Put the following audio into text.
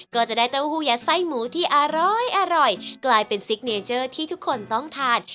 ก็จะได้เต้าหู้ยัดไส้หมูที่อร้อยกลายเป็นซิกเนเจอร์ที่ทุกคนต้องทาน